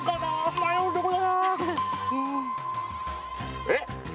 迷うとこだなぁ。